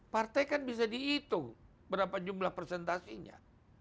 partai kan bisa dihitung berapa jumlah presentasinya